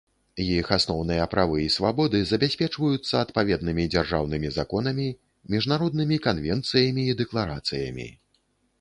Іх асноўныя правы і свабоды забяспечваюцца адпаведнымі дзяржаўнымі законамі, міжнароднымі канвенцыямі і дэкларацыямі.